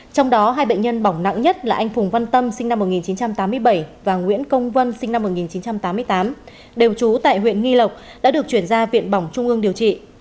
trong đó hai bệnh nhân bỏng nặng nhất là anh phùng văn tâm sinh năm một nghìn chín trăm tám mươi bảy và nguyễn công vân sinh năm một nghìn chín trăm tám mươi tám đều trú tại huyện nghi lộc đã được chuyển ra viện bỏng trung ương điều trị